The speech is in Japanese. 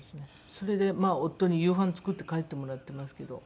それでまあ夫に夕飯作って帰ってもらってますけど。